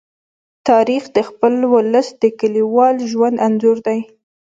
تاریخ د خپل ولس د کلیوال ژوند انځور دی.